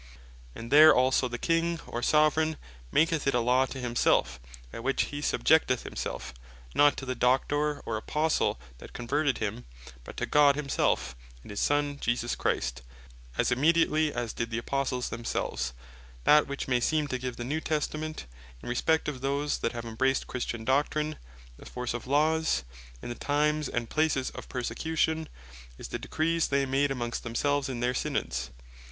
And there also the King, or Soveraign, maketh it a Law to himself; by which he subjecteth himselfe, not to the Doctor, or Apostle, that converted him, but to God himself, and his Son Jesus Christ, as immediately as did the Apostles themselves. Of The Power Of Councells To Make The Scripture Law That which may seem to give the New Testament, in respect of those that have embraced Christian Doctrine, the force of Laws, in the times, and places of persecution, is the decrees they made amongst themselves in their Synods.